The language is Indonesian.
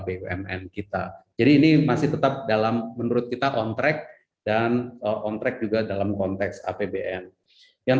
bumn kita jadi ini masih tetap dalam menurut kita kontrak dan kontrak juga dalam konteks apbn yang